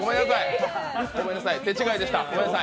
ごめんなさい、手違いでした。